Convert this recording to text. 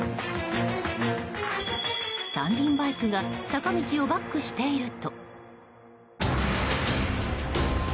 ３輪バイクが坂道をバックしていると。